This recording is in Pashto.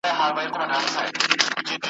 زنګېدی د زمري لور ته ور روان سو ,